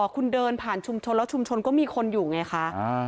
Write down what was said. คุณเดินผ่านชุมชนแล้วชุมชนก็มีคนอยู่ไงคะ